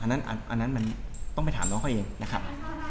อันนั้นมันต้องไปถามน้องเขาเองนะครับ